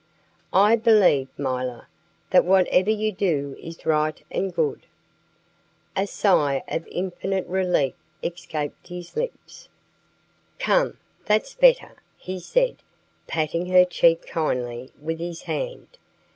"I believe, milor, that whatever you do is right and good." A sigh of infinite relief escaped his lips. "Come, that's better!" he said, patting her cheek kindly with his hand.